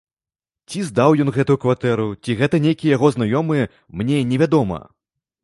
Ці здаў ён гэтую кватэру, ці гэта нейкія яго знаёмыя, мне невядома.